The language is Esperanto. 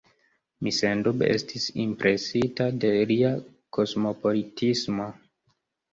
Mi sendube estis impresita de lia kosmopolitismo.